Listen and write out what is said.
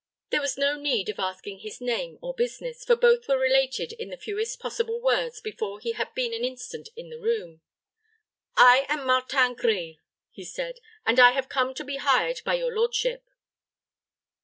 There was no need of asking his name or business, for both were related in the fewest possible words before he had been an instant in the room. "I am Martin Grille," he said, "and I have come to be hired by your lordship."